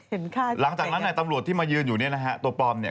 ใครหลังจากนั้นเนี่ยตำรวจที่มายืนอยู่เนี่ยนะฮะตัวปลอมเนี่ย